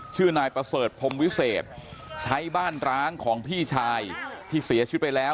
ชื่อนายประเสริฐพรมวิเศษใช้บ้านร้างของพี่ชายที่เสียชีวิตไปแล้ว